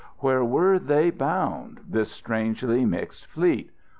Where were they bound, this strangely mixed fleet?